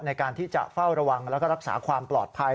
ในการที่จะเฝ้าระวังแล้วก็รักษาความปลอดภัย